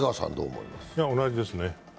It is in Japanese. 同じですね。